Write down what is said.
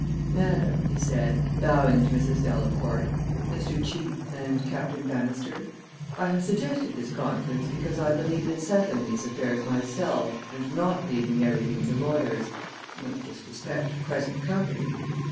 "Madam," he said, bowing to Mrs. Delaporte, "Mr. Cheape and Captain Bannister, I have suggested this conference because I believe in settling these affairs myself and not leaving everything to lawyers no disrespect to present company.